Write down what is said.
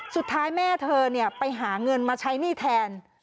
สุดท้ายแม่เธอไปหาเงินมาใช้หนี้แทน